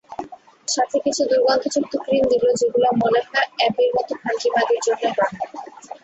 সাথে কিছু দুর্গন্ধযুক্ত ক্রিম দিল যেগুলা মনেহয় অ্যাবির মত খানকি মাগির জন্যই বানায়।